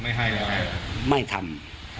ไม่ให้ไม่ทำ